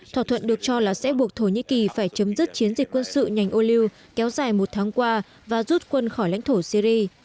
thỏa thuận được cho là sẽ buộc thổ nhĩ kỳ phải chấm dứt chiến dịch quân sự ngành ô liu kéo dài một tháng qua và rút quân khỏi lãnh thổ syri